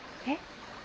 えっ？